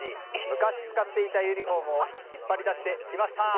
昔、使っていたユニホームを引っ張り出してきました。